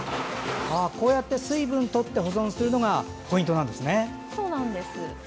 水分をとって保存するのがポイントなんですね。